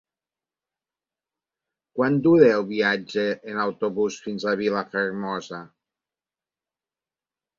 Quant dura el viatge en autobús fins a Vilafermosa?